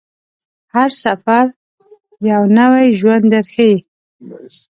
هر سفر یو نوی ژوند درښيي.